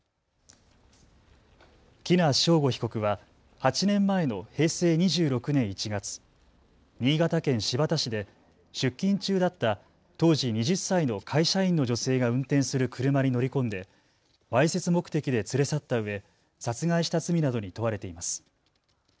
喜納尚吾被告は８年前の平成２６年１月、新潟県新発田市で出勤中だった当時２０歳の会社員の女性が運転する車に乗り込んでわいせつ目的で連れ去ったうえ殺害した罪などに問われています。